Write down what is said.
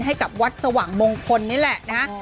ให้กับวัดสว่างมงคลนี่แหละนะฮะ